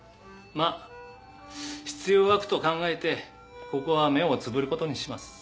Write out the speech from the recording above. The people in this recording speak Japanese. まあ必要悪と考えてここは目をつぶることにします。